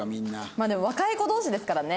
まあでも若い子同士ですからね。